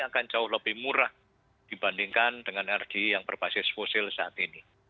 akan jauh lebih murah dibandingkan dengan energi yang berbasis fosil saat ini